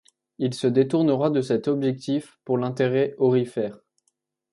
Il se détournera de cet objectif pour l'intérêt aurifère.